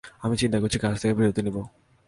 আমি চিন্তা করছি কাজ থেকে বিরতি নিব।